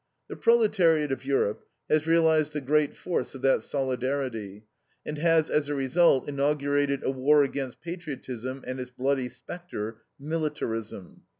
The proletariat of Europe has realized the great force of that solidarity and has, as a result, inaugurated a war against patriotism and its bloody spectre, militarism.